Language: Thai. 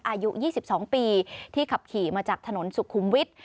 อายุ๒๒ปีที่ขับขี่มาจากถนนสุขุมวิทย์